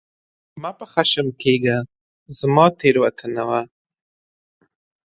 مه په خښم کېږه ، زما تېروتنه وه !